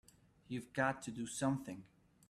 You've got to do something!